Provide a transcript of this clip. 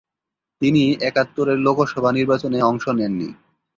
তিনি একাত্তরের লোকসভা নির্বাচনে অংশ নেননি।